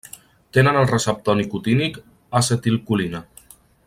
Tenen el receptor nicotínic acetilcolina.